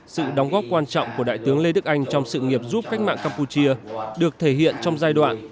sự đóng góp quan trọng của đại tướng lê đức anh trong sự nghiệp giúp cách mạng campuchia được thể hiện trong giai đoạn